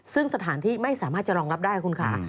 ซึ่งสถานที่ไม่สามารถจะรองรับได้คุณค่ะ